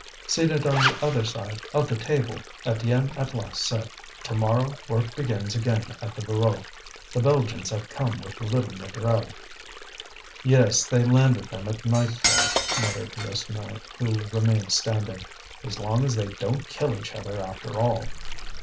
Seated on the other side of the table, Étienne at last said: "To morrow work begins again at the Voreux. The Belgians have come with little Négrel." "Yes, they landed them at nightfall," muttered Rasseneur, who remained standing. "As long as they don't kill each other after all!"